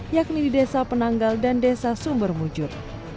yakni di desa penanggal dan desa sumber mujur